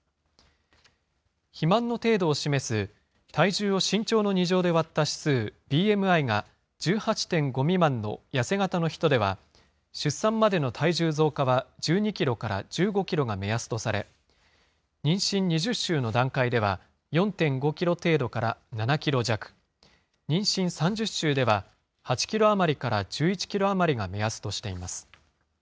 肥満の程度を示す、体重を身長の２乗で割った指数、ＢＭＩが１８．５未満の痩せ型の人では、出産までの体重増加は１２キロから１５キロが目安とされ、妊娠２０週の段階では、４．５キロ程度から７キロ弱、妊娠３０週では、８キロ余りから１１キロ余りが目安としています。